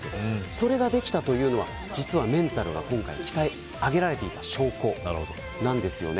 それができたのは、メンタルが今回鍛え上げられていた証拠なんですよね。